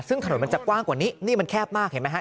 ซึ่งถนนมันจะกว้างกว่านี้นี่มันแคบมากเห็นไหมฮะ